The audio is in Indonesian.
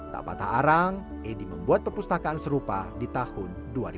tak patah arang edi membuat perpustakaan serupa di tahun dua ribu dua